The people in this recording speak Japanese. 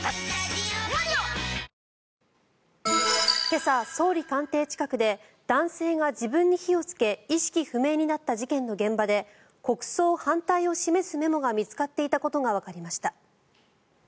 今朝、総理官邸近くで男性が自分に火をつけ意識不明になった事件の現場で国葬反対を示すメモが見つかっていたことがわかりました。